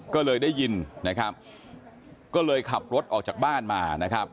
ก็เลยได้ยินก็เลยขับรถออกจากบ้านมา